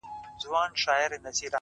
o د تورو سترگو وه سورخۍ ته مي ـ